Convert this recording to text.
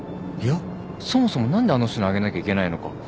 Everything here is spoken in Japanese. いやそもそも何であの人にあげなきゃいけないのか。